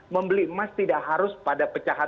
membeli emas tidak harus pada pecahan